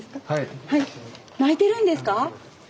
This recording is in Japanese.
「泣いてるんですか？」。